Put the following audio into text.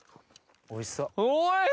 おいしそ。